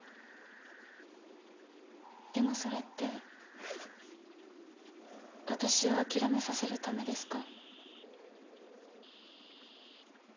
でもそれって私を諦めさせるためですか？